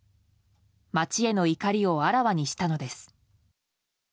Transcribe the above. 町への怒りをあらわにしたのです。